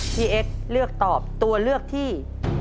เอ็กซ์เลือกตอบตัวเลือกที่